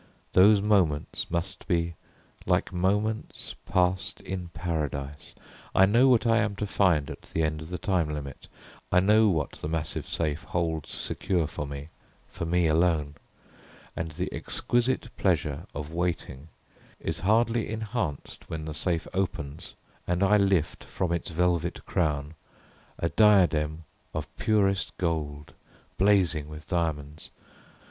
Those moments must be like moments passed in Paradise. I know what I am to find at the end of the time limit. I know what the massive safe holds secure for me, for me alone, and the exquisite pleasure of waiting is hardly enhanced when the safe opens and I lift, from its velvet crown, a diadem of purest gold, blazing with diamonds.